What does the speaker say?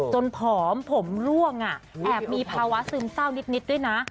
ผอมผมร่วงแอบมีภาวะซึมเศร้านิดด้วยนะ